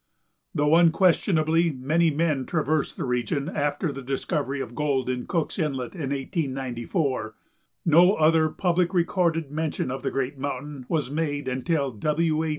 Though unquestionably many men traversed the region after the discovery of gold in Cook's Inlet in 1894, no other public recorded mention of the great mountain was made until W. A.